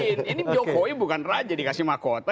ini jokowi bukan raja di kasimakota